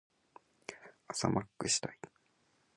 朝マックしたい。